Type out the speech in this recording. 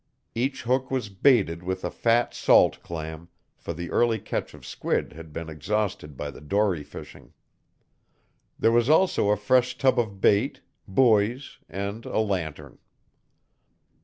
Each hook was baited with a fat salt clam, for the early catch of squid had been exhausted by the dory fishing. There was also a fresh tub of bait, buoys, and a lantern.